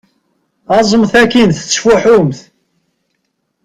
Aẓemt akin tettfuḥumt!